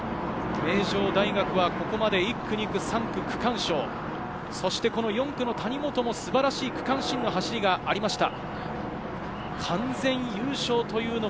名城大学はここまで１区、２区、３区区間賞、そして４区の谷本も素晴らしい区間新の走りがありました。